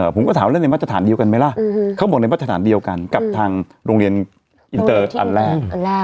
ผมก็ถามเล่นในมาตรฐานเดียวกันไหมล่ะเขาบอกในมาตรฐานเดียวกันกับทางโรงเรียนอินเตอร์อันแรก